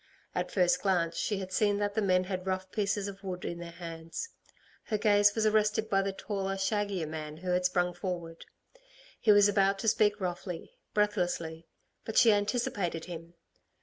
At first glance she had seen that the men had rough pieces of wood in their hands. Her gaze was arrested by the taller, shaggier man who had sprung forward. He was about to speak roughly, breathlessly; but she anticipated him.